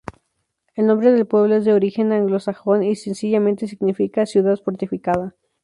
El nombre del pueblo es de origen anglosajón y sencillamente significa ‘ciudad fortificada'.